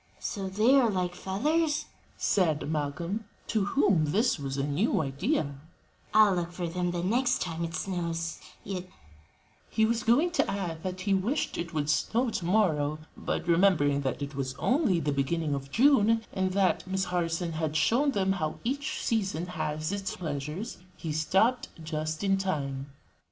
"So they are like feathers?" said Malcolm, to whom this was a new idea, "I'll look for 'em the next time it snows; yet " He was going to add that he wished it would snow to morrow; but remembering that it was only the beginning of June, and that Miss Harson had shown them how each season has its pleasures, he stopped just in time.